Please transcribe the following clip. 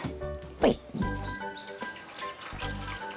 はい。